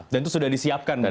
dan itu sudah disiapkan begitu